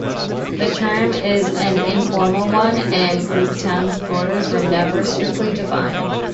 The term is an informal one, and Greektown's borders were never strictly defined.